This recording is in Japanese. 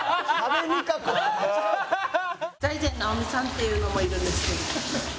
財前直見さんっていうのもいるんですけど。